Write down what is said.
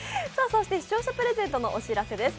そして視聴者プレゼントのお知らせです。